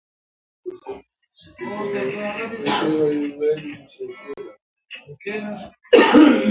Less than two years later, Taylor and Martinez divorced.